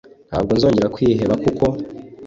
ntabwo nzongera kwiheba kuko